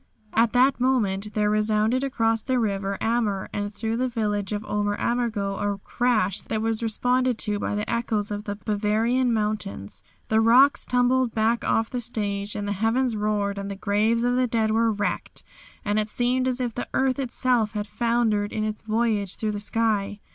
At that moment there resounded across the river Ammer and through the village of Ober Ammergau a crash that was responded to by the echoes of the Bavarian mountains. The rocks tumbled back off the stage, and the heavens roared and the graves of the dead were wrecked, and it seemed as if the earth itself had foundered in its voyage through the sky.